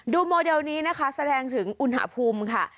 โมเดลนี้นะคะแสดงถึงอุณหภูมิค่ะ